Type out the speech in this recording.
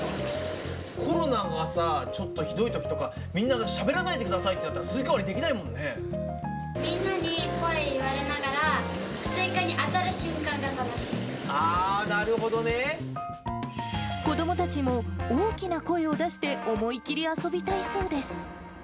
コロナがさ、ちょっとひどいときとか、みんなしゃべらないでくださいって言われたら、スイカ割りできなみんなに声かけられながら、ああ、なるほどね。子どもたちも大きな声を出して、思い切り遊びたいそうです。